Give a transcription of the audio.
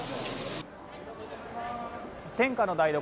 天下の台所